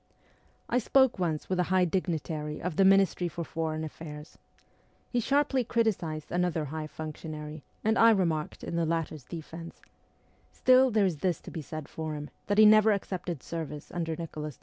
I spoke once with a high dignitary of the Ministry for foreign affairs. He sharply criticized another high functionary, and I remarked in the latter's defence, ' Still there is this to be said for him, that he never accepted service under Nicholas I.'